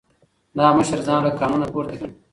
دا مشر ځان له قانون پورته ګڼي.